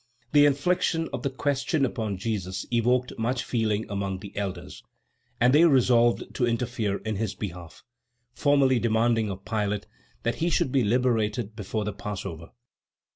The infliction of "the question" upon Jesus evoked much feeling among the elders, and they resolved to interfere in his behalf; formally demanding of Pilate that he should be liberated before the Passover.